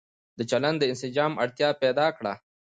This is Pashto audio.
د چلن د انسجام اړتيا پيدا کړه